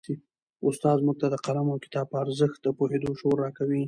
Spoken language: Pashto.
استاد موږ ته د قلم او کتاب په ارزښت د پوهېدو شعور راکوي.